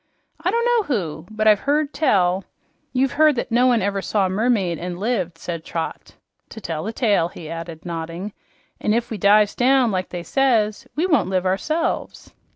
"I don't know who, but I've heard tell " "You've heard that no one ever saw a mermaid and lived," said Trot. "To tell the tale," he added, nodding. "An' if we dives down like they says, we won't live ourselves."